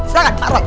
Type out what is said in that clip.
silahkan pak roy